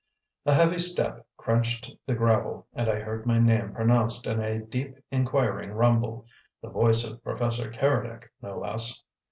A heavy step crunched the gravel and I heard my name pronounced in a deep inquiring rumble the voice of Professor Keredec, no less.